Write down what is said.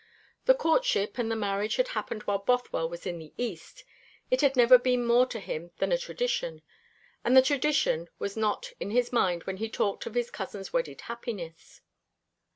The courtship and the marriage had happened while Bothwell was in the East. It had never been more to him than a tradition; and the tradition was not in his mind when he talked of his cousin's wedded happiness.